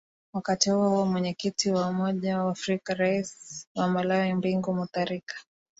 wakati huohuo mwenyekiti wa umoja wa afrika rais wa malawi bingu mutharika